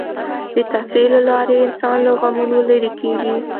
د تفریح له لارې انسان له غمونو لرې کېږي.